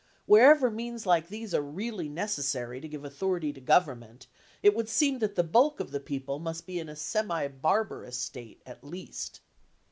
Wherever means like these are really necessary to give authority to government, it would seem that the bulk of the people must be in a semi barbarous state at least."